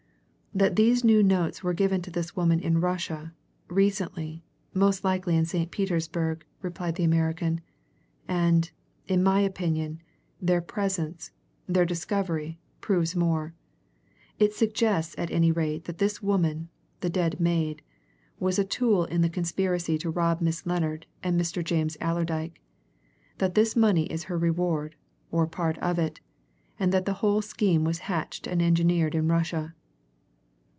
"That these notes were given to this woman in Russia, recently most likely in St. Petersburg," replied the American. "And, in my opinion, their presence their discovery proves more. It suggests at any rate that this woman, the dead maid, was a tool in the conspiracy to rob Miss Lennard and Mr. James Allerdyke, that this money is her reward, or part of it, and that the whole scheme was hatched and engineered in Russia."